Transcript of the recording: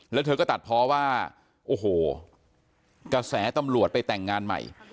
แล้วเธอก็ตัดเพราะว่าโอ้โหกระแสตำรวจไปแต่งงานใหม่